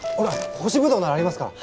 干しブドウならありますから。